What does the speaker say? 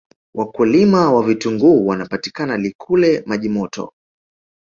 wakulima wa vitunguu wanapatika likule majimoto